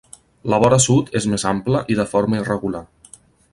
La vora sud és més ampla i de forma irregular.